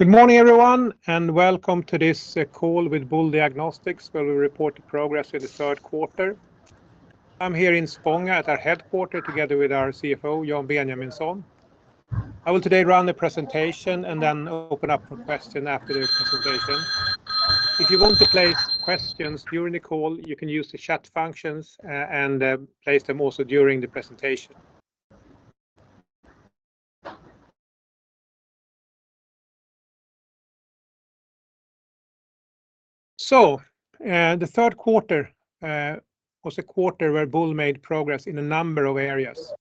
Good morning, everyone, and welcome to this call with Boule Diagnostics, where we report the progress in the Q3. I'm here in Spånga at our headquarters, together with our CFO, Jan Benjaminson. I will today run the presentation and then open up for questions after the presentation. If you want to place questions during the call, you can use the chat functions and place them also during the presentation. So, the third quarter was a quarter where Boule made progress in a number of areas,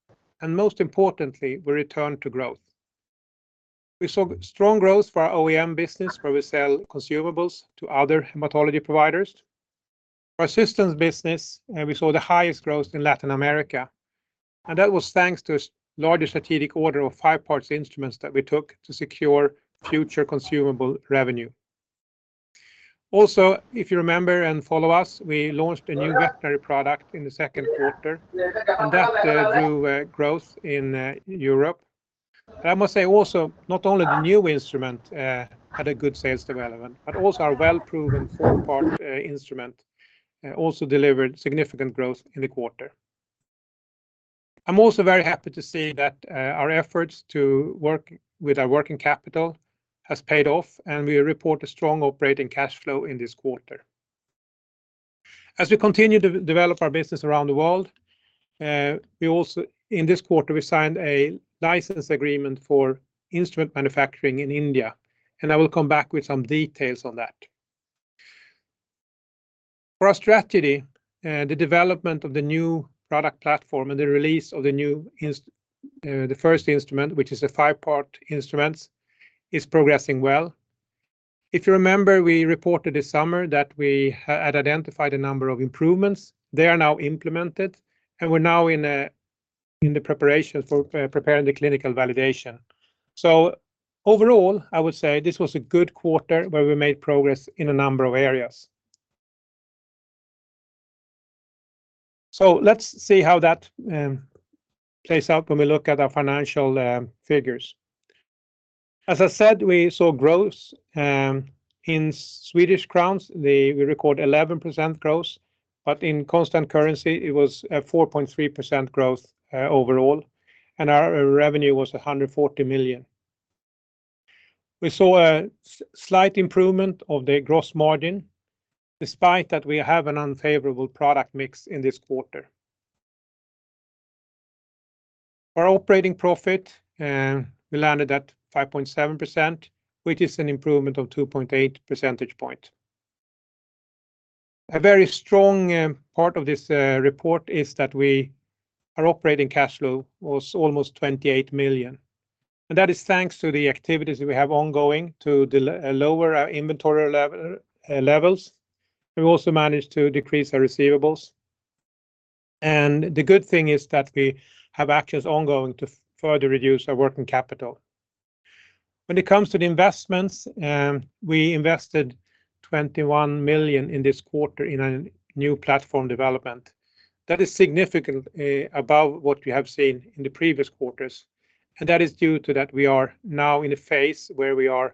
and most importantly, we returned to growth. We saw strong growth for our OEM business, where we sell consumables to other hematology providers. Our systems business, we saw the highest growth in Latin America, and that was thanks to a larger strategic order of five-part instruments that we took to secure future consumable revenue. Also, if you remember and follow us, we launched a new veterinary product in the Q2 and that growth in Europe. But I must say also, not only the new instrument had a good sales development, but also our well-proven four-part instrument also delivered significant growth in the quarter. I'm also very happy to see that our efforts to work with our working capital has paid off, and we report a strong operating cash flow in this quarter. As we continue to develop our business around the world, we also... In this quarter, we signed a license agreement for instrument manufacturing in India, and I will come back with some details on that. For our strategy, the development of the new product platform and the release of the new instrument, the first instrument, which is a five-part instrument, is progressing well. If you remember, we reported this summer that we had identified a number of improvements. They are now implemented, and we're now in the preparation for preparing the clinical validation. So overall, I would say this was a good quarter, where we made progress in a number of areas. So let's see how that plays out when we look at our financial figures. As I said, we saw growth in Swedish crowns. We record 11% growth, but in constant currency, it was a 4.3% growth overall, and our revenue was 140 million. We saw a slight improvement of the gross margin, despite that we have an unfavorable product mix in this quarter. Our operating profit, we landed at 5.7%, which is an improvement of 2.8 percentage points. A very strong part of this report is that our operating cash flow was almost 28 million, and that is thanks to the activities we have ongoing to lower our inventory levels. We've also managed to decrease our receivables, and the good thing is that we have actions ongoing to further reduce our working capital. When it comes to the investments, we invested 21 million in this quarter in a new platform development. That is significant, above what we have seen in the previous quarters, and that is due to that we are now in a phase where we are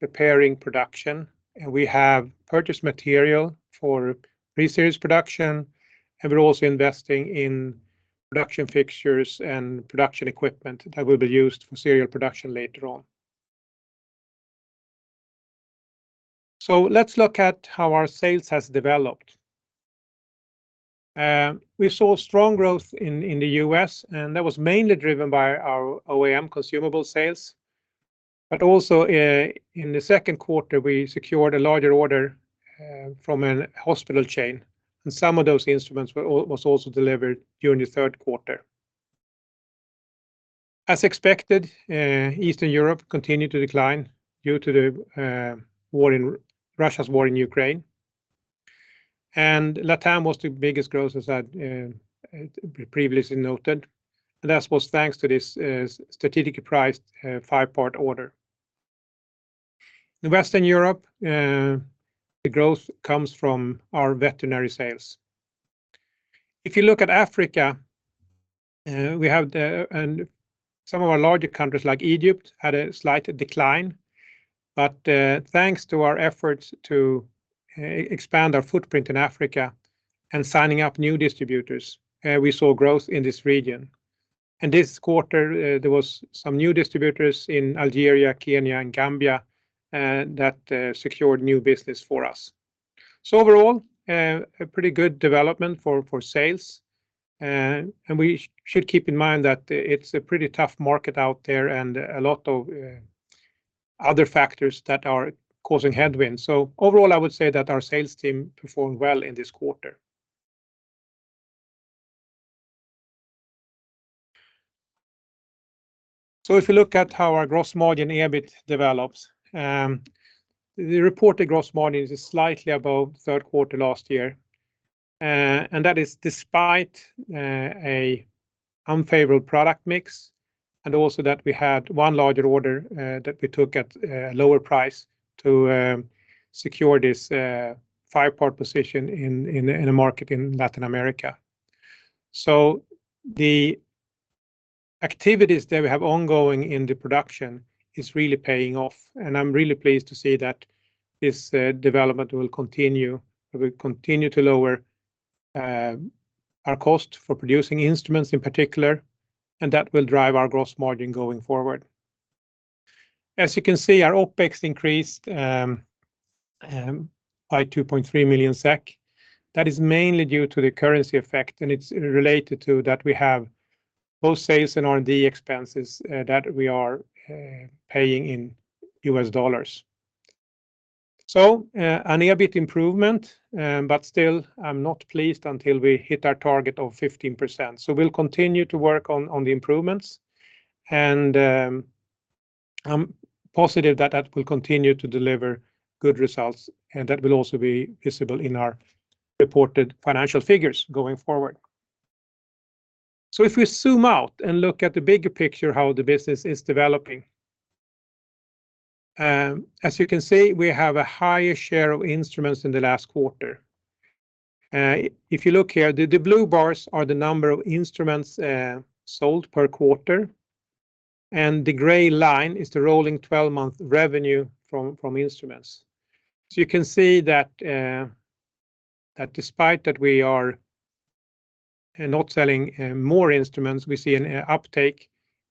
preparing production, and we have purchased material for pre-series production, and we're also investing in production fixtures and production equipment that will be used for serial production later on. Let's look at how our sales has developed. We saw strong growth in the U.S., and that was mainly driven by our OEM consumable sales, but also, in the second quarter, we secured a larger order, from a hospital chain, and some of those instruments were also delivered during the third quarter. As expected, Eastern Europe continued to decline due to Russia's war in Ukraine, and LATAM was the biggest growth, as I previously noted, and that was thanks to this strategically priced five-part order. In Western Europe, the growth comes from our veterinary sales. If you look at Africa, and some of our larger countries, like Egypt, had a slight decline, but thanks to our efforts to expand our footprint in Africa and signing up new distributors, we saw growth in this region, and this quarter, there was some new distributors in Algeria, Kenya, and Gambia that secured new business for us. So overall, a pretty good development for sales. We should keep in mind that it's a pretty tough market out there and a lot of other factors that are causing headwinds. Overall, I would say that our sales team performed well in this quarter. If you look at how our gross margin, EBITDA, develops, the reported gross margin is slightly above Q3 last year, and that is despite an unfavorable product mix, and also that we had one larger order that we took at a lower price to secure this five-part position in a market in Latin America. Activities that we have ongoing in the production is really paying off, and I'm really pleased to see that this development will continue. We will continue to lower our cost for producing instruments in particular, and that will drive our gross margin going forward. As you can see, our OpEX increased by 2.3 million SEK. That is mainly due to the currency effect, and it's related to that we have both sales and R&D expenses that we are paying in U.S. dollars. So, an EBITDA improvement, but still I'm not pleased until we hit our target of 15%. So we'll continue to work on the improvements, and I'm positive that that will continue to deliver good results, and that will also be visible in our reported financial figures going forward. So if we zoom out and look at the bigger picture, how the business is developing, as you can see, we have a higher share of instruments in the last quarter. If you look here, the blue bars are the number of instruments sold per quarter, and the gray line is the rolling twelve-month revenue from instruments. So you can see that despite that we are not selling more instruments, we see an uptake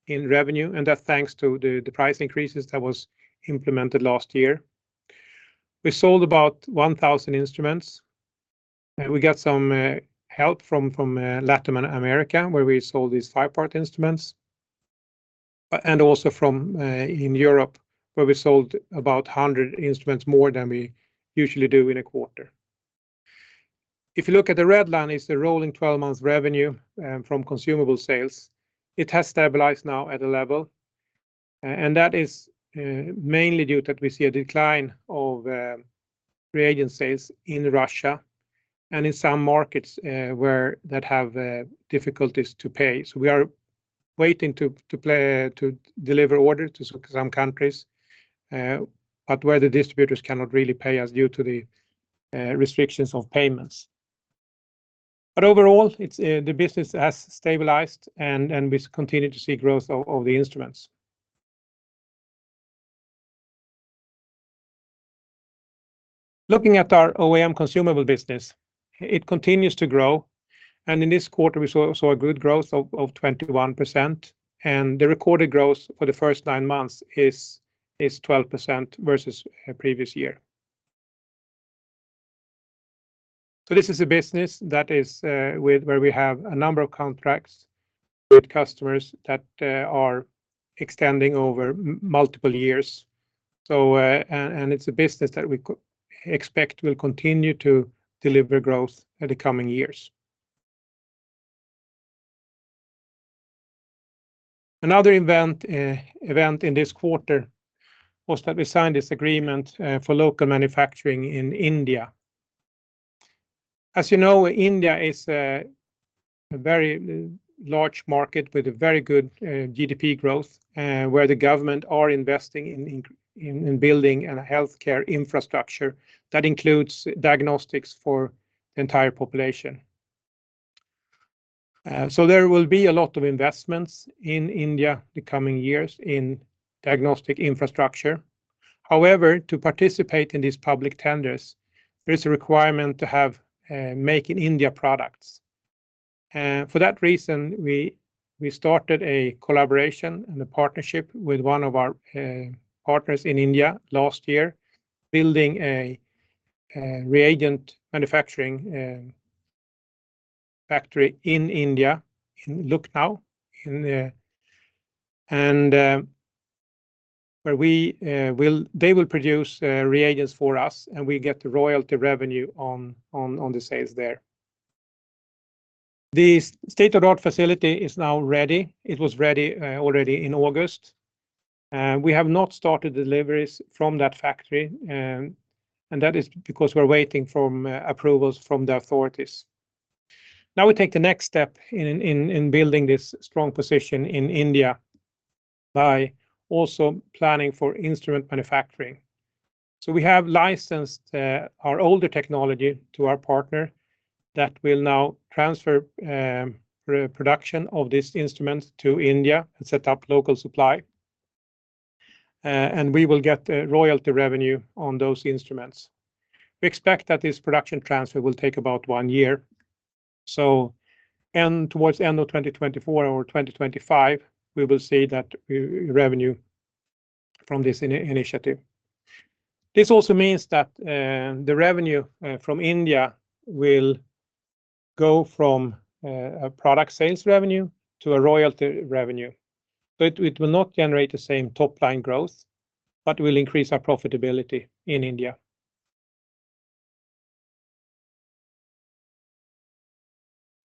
in revenue, and that's thanks to the price increases that was implemented last year. We sold about 1,000 instruments, and we got some help from Latin America, where we sold these five-part instruments, and also from in Europe, where we sold about 100 instruments more than we usually do in a quarter. If you look at the red line, it's the rolling 12-month revenue from consumable sales. It has stabilized now at a level, and that is mainly due to that we see a decline of reagent sales in Russia and in some markets where that have difficulties to pay. So we are waiting to deliver order to some countries, but where the distributors cannot really pay us due to the restrictions of payments. But overall, it's the business has stabilized, and we continue to see growth of the instruments. Looking at our OEM consumable business, it continues to grow, and in this quarter, we saw a good growth of 21%, and the recorded growth for the first nine months is 12% versus previous year. So this is a business that is with where we have a number of contracts with customers that are extending over multiple years. So, and it's a business that we expect will continue to deliver growth in the coming years. Another event in this quarter was that we signed this agreement for local manufacturing in India. As you know, India is a very large market with a very good GDP growth, where the government are investing in building a healthcare infrastructure that includes diagnostics for the entire population. So there will be a lot of investments in India the coming years in diagnostic infrastructure. However, to participate in these public tenders, there is a requirement to have Make in India products. For that reason, we started a collaboration and a partnership with one of our partners in India last year, building a reagent manufacturing factory in India, in Lucknow. And where they will produce reagents for us, and we get the royalty revenue on the sales there. The state-of-the-art facility is now ready. It was ready already in August. We have not started deliveries from that factory, and that is because we're waiting from approvals from the authorities. Now we take the next step in building this strong position in India by also planning for instrument manufacturing. So we have licensed our older technology to our partner that will now transfer production of these instruments to India and set up local supply, and we will get a royalty revenue on those instruments. We expect that this production transfer will take about one year, so towards end of 2024 or 2025, we will see that revenue from this initiative. This also means that the revenue from India will go from a product sales revenue to a royalty revenue. But it will not generate the same top-line growth, but will increase our profitability in India.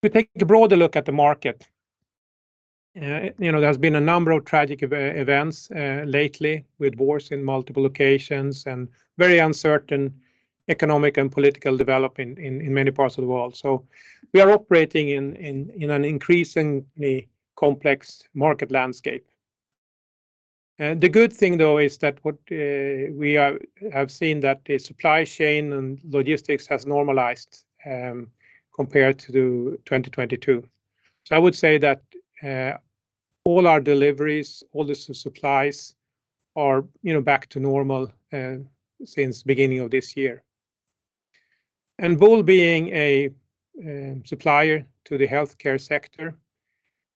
We take a broader look at the market. You know, there's been a number of tragic events lately, with wars in multiple locations and very uncertain economic and political developing in many parts of the world. So we are operating in an increasingly complex market landscape. And the good thing, though, is that what we have seen that the supply chain and logistics has normalized compared to 2022. So I would say that all our deliveries, all the supplies are, you know, back to normal since beginning of this year. And Boule being a supplier to the healthcare sector,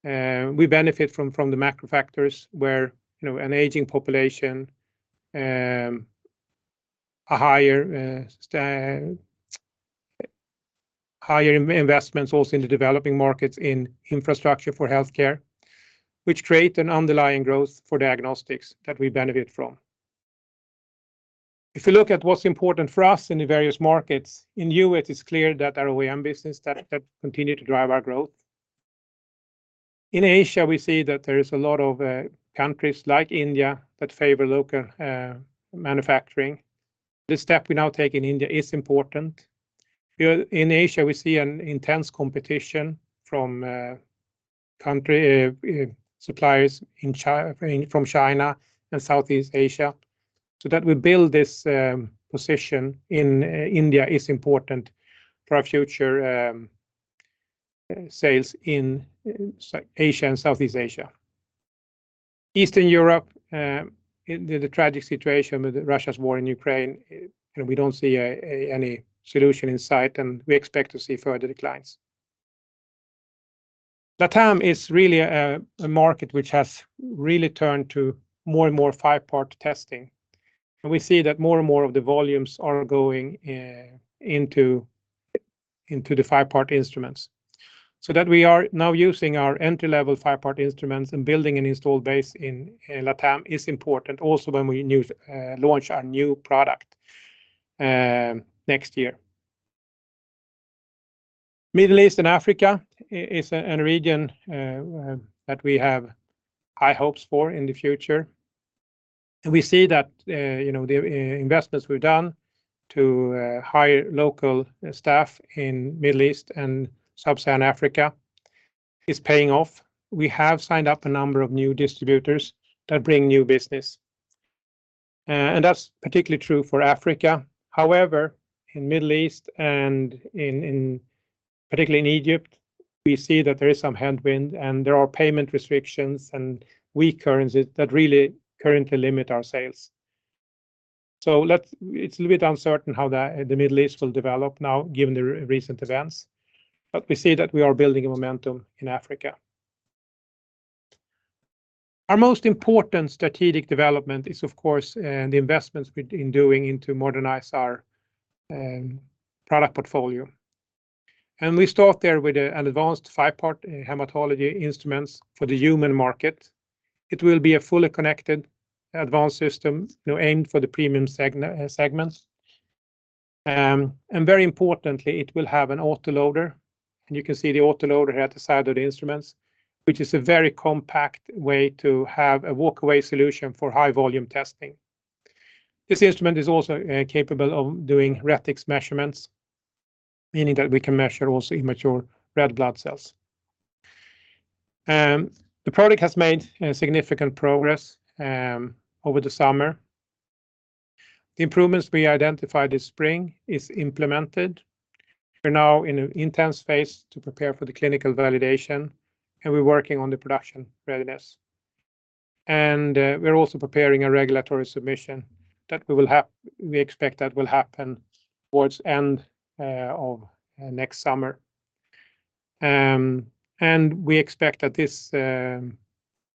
we benefit from the macro factors where, you know, an aging population, a higher standard, higher investments also in the developing markets, in infrastructure for healthcare, which create an underlying growth for diagnostics that we benefit from. If you look at what's important for us in the various markets, in the U.S., it is clear that our OEM business that continue to drive our growth. In Asia, we see that there is a lot of countries like India that favor local manufacturing. The step we now take in India is important. Here in Asia, we see an intense competition from suppliers in China and Southeast Asia, so that we build this position in India is important for our future sales in Asia and Southeast Asia. Eastern Europe in the tragic situation with Russia's war in Ukraine, and we don't see any solution in sight, and we expect to see further declines. LATAM is really a market which has really turned to more and more five-part testing, and we see that more and more of the volumes are going into the five-part instruments. So that we are now using our entry-level five-part instruments and building an installed base in LATAM is important, also, when we now launch our new product next year. Middle East and Africa is a region that we have high hopes for in the future, and we see that, you know, the investments we've done to hire local staff in Middle East and sub-Saharan Africa is paying off. We have signed up a number of new distributors that bring new business, and that's particularly true for Africa. However, in Middle East and, particularly in Egypt, we see that there is some headwind, and there are payment restrictions and weak currencies that really currently limit our sales. So let's... It's a little bit uncertain how the Middle East will develop now, given the recent events, but we see that we are building a momentum in Africa. Our most important strategic development is, of course, the investments we've been doing into modernize our product portfolio, and we start there with an advanced five-part hematology instruments for the human market. It will be a fully connected advanced system, you know, aimed for the premium segments. And very importantly, it will have an autoloader, and you can see the autoloader here at the side of the instruments, which is a very compact way to have a walk-away solution for high-volume testing. This instrument is also capable of doing retics measurements, meaning that we can measure also immature red blood cells. The product has made a significant progress over the summer. The improvements we identified this spring is implemented. We're now in an intense phase to prepare for the clinical validation, and we're working on the production readiness. And, we're also preparing a regulatory submission that we will we expect that will happen towards end of next summer. And we expect that this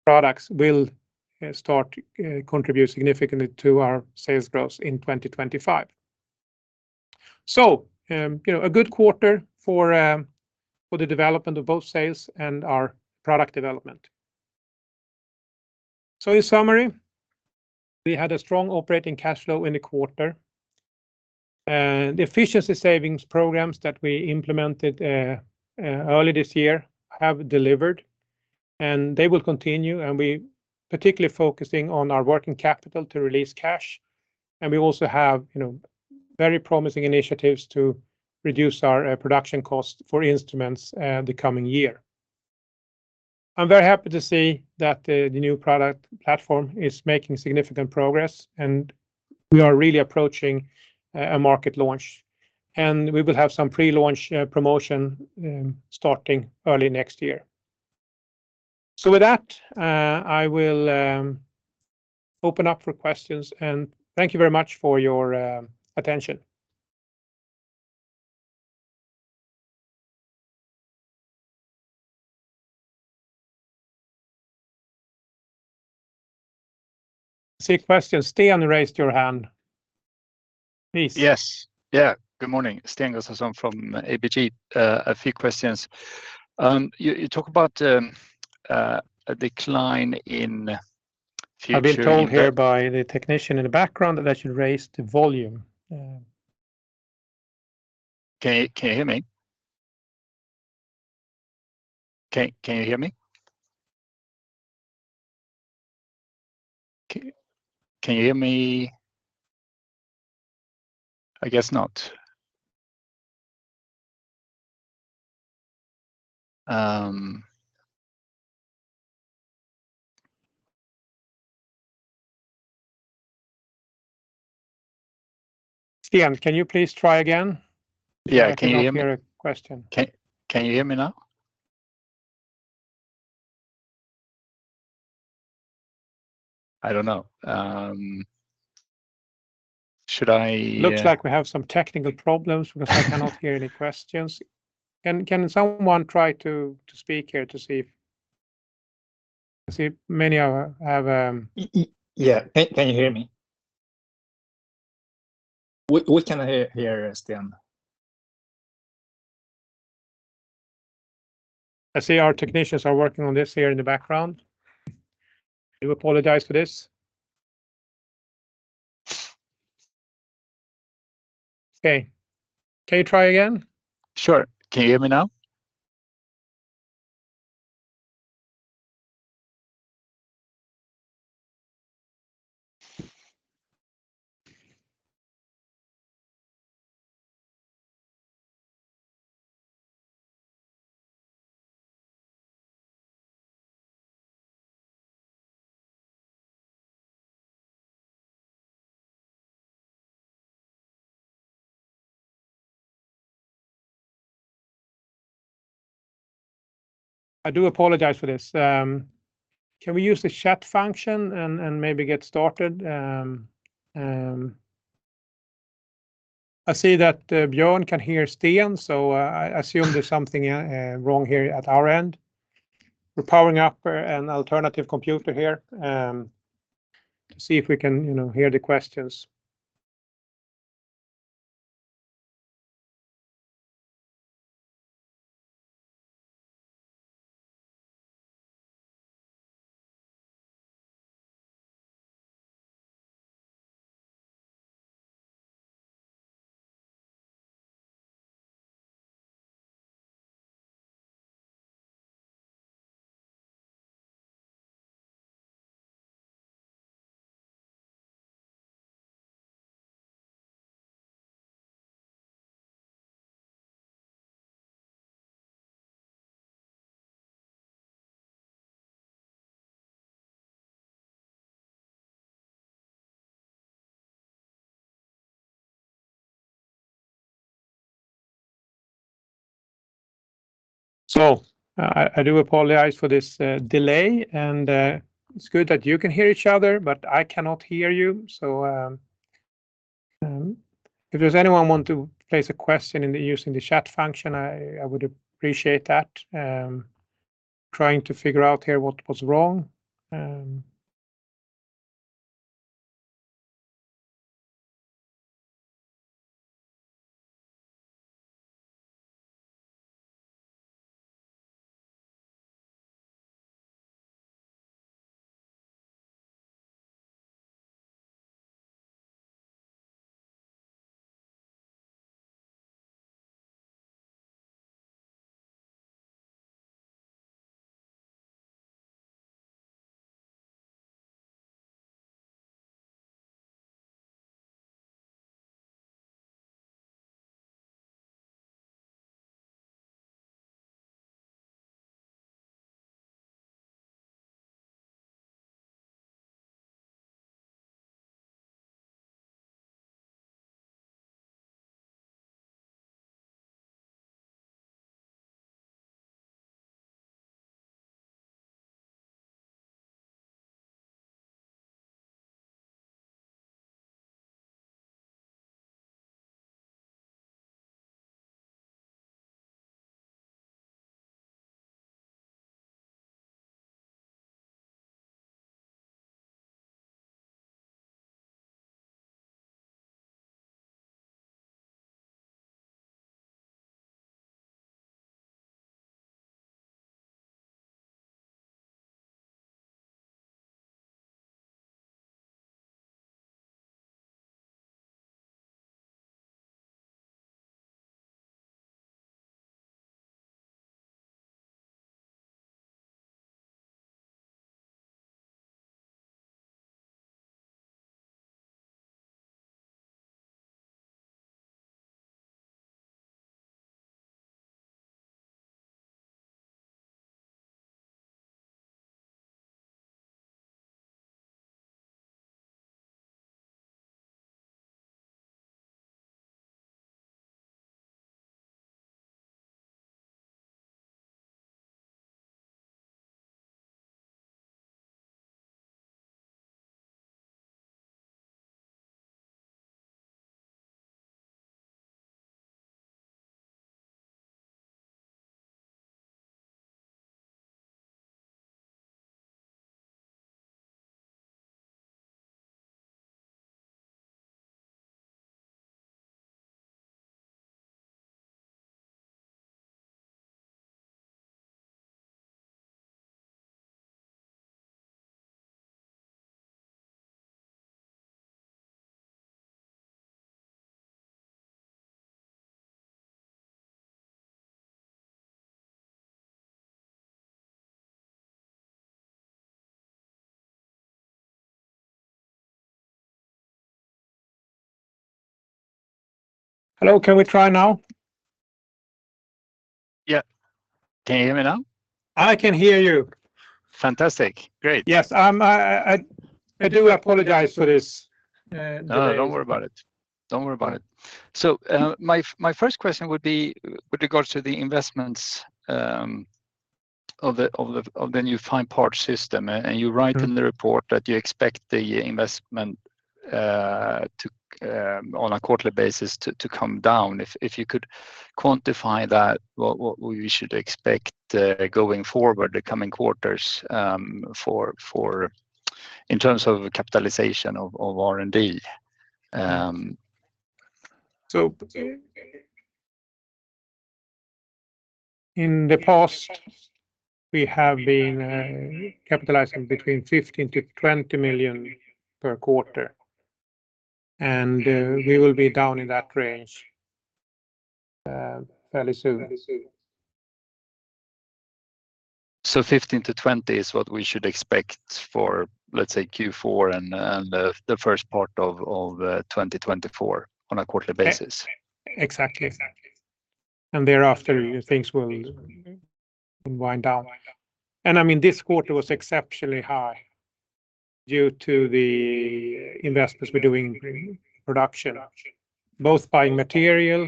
products will start contribute significantly to our sales growth in 2025. So, you know, a good quarter for, for the development of both sales and our product development. So in summary, we had a strong operating cash flow in the quarter. The efficiency savings programs that we implemented early this year have delivered, and they will continue, and we particularly focusing on our working capital to release cash, and we also have, you know, very promising initiatives to reduce our production cost for instruments the coming year. I'm very happy to see that the new product platform is making significant progress, and we are really approaching a market launch, and we will have some pre-launch promotion starting early next year. So with that, I will open up for questions, and thank you very much for your attention. I see a question. Sten raised your hand. Please. Yes. Yeah, good morning. Sten Gustafsson from ABG. A few questions. You talk about a decline in future- I've been told here by the technician in the background that I should raise the volume. Can you hear me? Can you hear me? Can you hear me? I guess not.... Sten, can you please try again? Yeah, can you hear me? I cannot hear a question. Can you hear me now? I don't know. Should I Looks like we have some technical problems because I cannot hear any questions. Can someone try to speak here to see if... I see many are, have Yeah. Can you hear me? We can hear Sten. I see our technicians are working on this here in the background. I do apologize for this. Okay. Can you try again? Sure. Can you hear me now? I do apologize for this. Can we use the chat function and maybe get started? I see that Bjorn can hear Sten, so I assume there's something wrong here at our end. We're powering up an alternative computer here to see if we can, you know, hear the questions. So I do apologize for this delay, and it's good that you can hear each other, but I cannot hear you. So if there's anyone want to place a question using the chat function, I would appreciate that. Trying to figure out here what was wrong. Hello, can we try now? Yeah. Can you hear me now? I can hear you. Fantastic. Great. Yes, I do apologize for this delay. No, don't worry about it. Don't worry about it. So, my first question would be with regards to the investments of the new five-part system. And you write- Mm-hmm In the report that you expect the investment to come down on a quarterly basis. If you could quantify that, what we should expect going forward, the coming quarters, in terms of capitalization of R&D. In the past, we have been capitalizing between 15 million-20 million per quarter, and we will be down in that range fairly soon. 15-20 is what we should expect for, let's say, Q4 and the first part of 2024 on a quarterly basis? Exactly. And thereafter, things will wind down. And I mean, this quarter was exceptionally high due to the investments we're doing in production, both buying material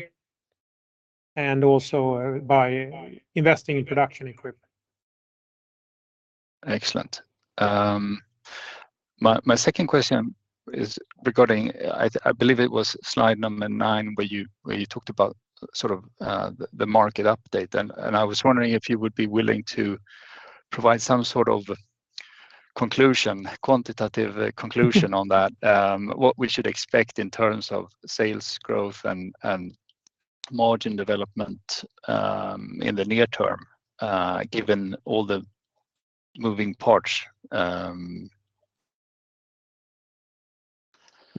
and also by investing in production equipment. Excellent. My second question is regarding, I believe it was slide number 9, where you talked about sort of the market update. And I was wondering if you would be willing to provide some sort of conclusion, quantitative conclusion on that, what we should expect in terms of sales growth and margin development in the near term, given all the moving parts.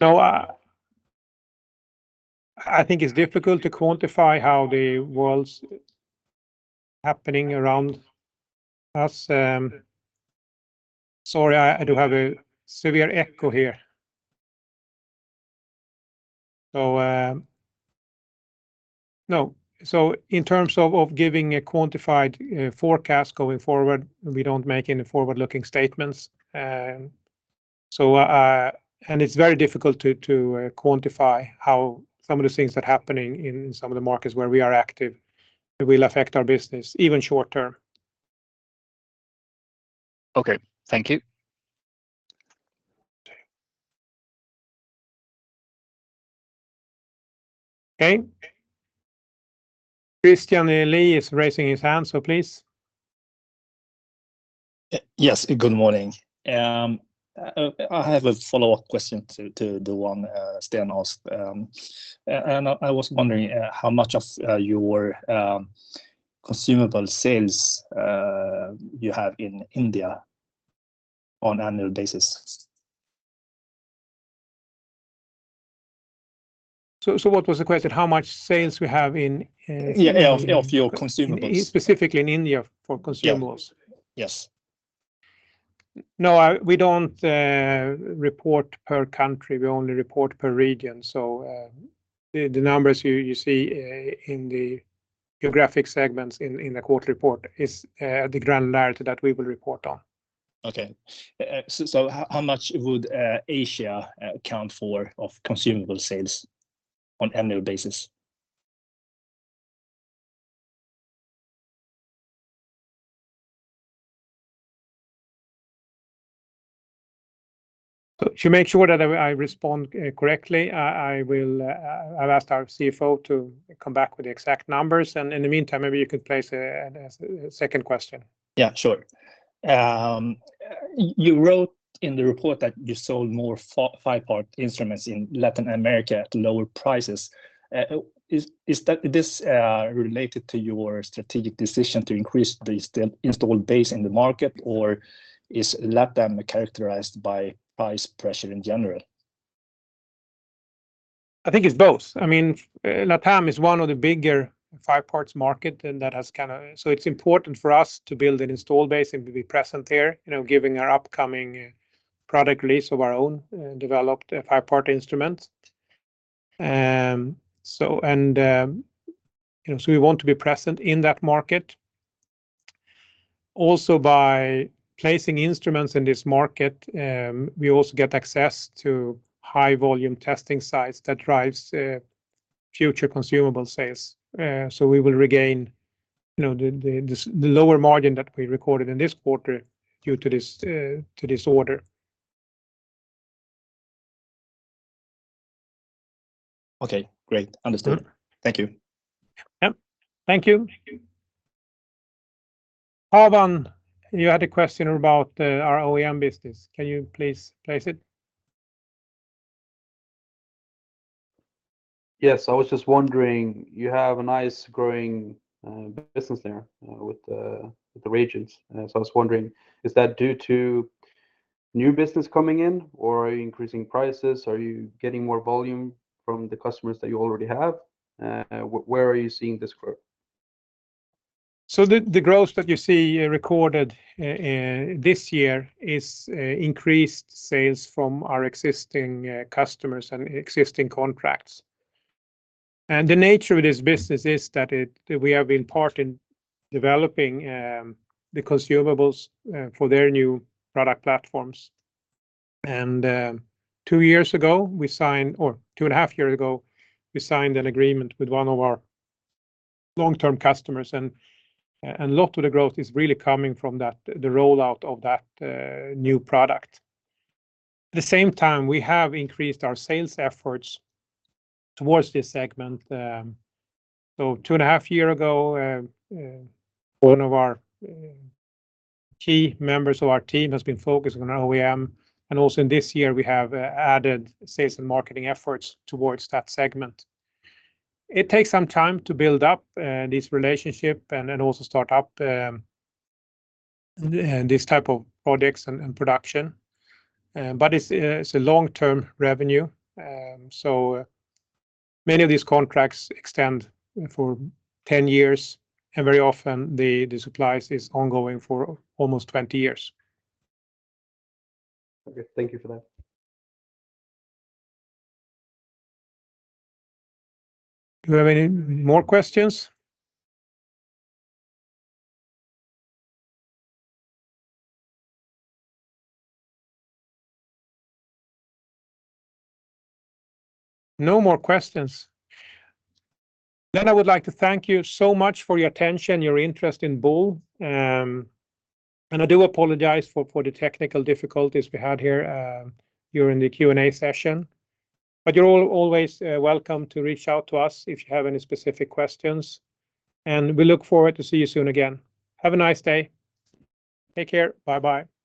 No, I think it's difficult to quantify how the world's happening around us. Sorry, I do have a severe echo here. So, no, so in terms of giving a quantified forecast going forward, we don't make any forward-looking statements. So, and it's very difficult to quantify how some of the things that are happening in some of the markets where we are active will affect our business, even short term. Okay. Thank you. Okay. Christian Lee is raising his hand, so please. Yes, good morning. I have a follow-up question to the one Sten asked. And I was wondering how much of your consumable sales you have in India on annual basis? So, so what was the question? How much sales we have in, Yeah, of your consumables. Specifically in India for consumables? Yeah. Yes. No, we don't report per country. We only report per region. So, the numbers you see in the geographic segments in the quarter report is the granularity that we will report on. Okay. So how much would Asia account for of consumable sales on annual basis? To make sure that I respond correctly, I will. I've asked our CFO to come back with the exact numbers, and in the meantime, maybe you could place a second question. Yeah, sure. You wrote in the report that you sold more five-part instruments in Latin America at lower prices. Is that related to your strategic decision to increase the installed base in the market, or is LATAM characterized by price pressure in general? I think it's both. I mean, LATAM is one of the bigger five-part markets, and that has kind of so it's important for us to build an installed base and to be present there, you know, given our upcoming product release of our own developed five-part instrument. So, you know, so we want to be present in that market. Also by placing instruments in this market, we also get access to high-volume testing sites that drives future consumable sales. So we will regain, you know, the lower margin that we recorded in this quarter due to this order. Okay, great. Understood. Mm-hmm. Thank you. Yep. Thank you. Alban, you had a question about our OEM business. Can you please place it? Yes, I was just wondering, you have a nice growing business there with the reagents. So I was wondering, is that due to new business coming in, or are you increasing prices? Are you getting more volume from the customers that you already have? Where are you seeing this growth? So the growth that you see recorded in this year is increased sales from our existing customers and existing contracts. And the nature of this business is that it, we have been part in developing the consumables for their new product platforms. And two years ago, we signed, or 2.5 years ago, we signed an agreement with one of our long-term customers, and a lot of the growth is really coming from that, the rollout of that new product. At the same time, we have increased our sales efforts towards this segment. So 2.5 years ago, one of our key members of our team has been focused on OEM, and also in this year, we have added sales and marketing efforts towards that segment. It takes some time to build up this relationship and also start up this type of products and production. But it's a long-term revenue. So many of these contracts extend for 10 years, and very often, the supplies is ongoing for almost 20 years. Okay, thank you for that. Do we have any more questions? No more questions. Then I would like to thank you so much for your attention, your interest in Boule. And I do apologize for the technical difficulties we had here during the Q&A session. But you're always welcome to reach out to us if you have any specific questions, and we look forward to see you soon again. Have a nice day. Take care. Bye-bye.